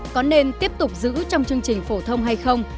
có nên tiếp tục giữ trong chương trình phổ thông hay không